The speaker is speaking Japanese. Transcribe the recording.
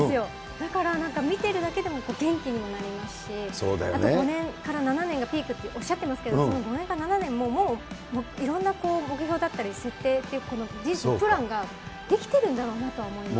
だからなんか、見ているだけでも元気にもなりますし、あと５年から７年がピークっておっしゃってますけど、その５年から７年、もういろんな目標だったり、設定、プランができてるんだろうなと思います。